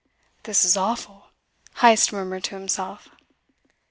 "This is awful!" Heyst murmured to himself.